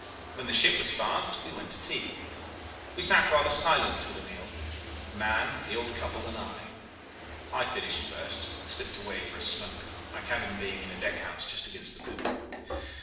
When the ship was fast we went to tea. We sat rather silent through the meal Mahon, the old couple, and I. I finished first, and slipped away for a smoke, my cabin being in a deck house just against the poop.